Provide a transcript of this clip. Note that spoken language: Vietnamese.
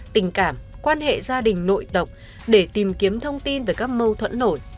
tình cảm quan hệ gia đình nội tộc để tìm kiếm thông tin về các mâu thuẫn nổi